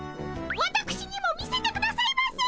わたくしにも見せてくださいませ。